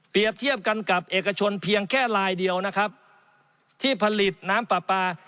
เทียบกันกับเอกชนเพียงแค่ลายเดียวนะครับที่ผลิตน้ำปลาปลา